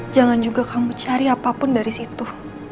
jangan juga kamu cari apapun dari situ